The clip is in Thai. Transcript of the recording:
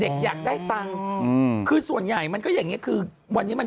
อยากได้ตังค์อืมคือส่วนใหญ่มันก็อย่างเงี้คือวันนี้มัน